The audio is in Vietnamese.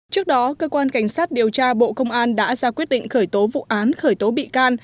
trước đó cơ quan cảnh sát điều tra bộ công an đã ra quyết định khởi tố vụ án khởi tố bị can